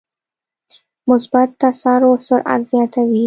مثبت تسارع سرعت زیاتوي.